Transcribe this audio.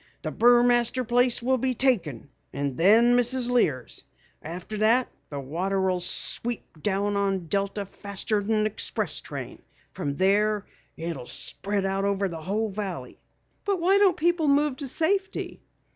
The Burmaster place will be taken, and then Mrs. Lear's. After that the water'll sweep down on Delta faster'n an express train. From there it'll spread out over the whole valley." "But why don't people move to safety?"